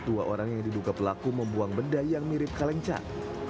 dua orang yang diduga pelaku membuang benda yang mirip kaleng cat